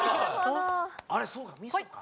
あれそうか味噌か。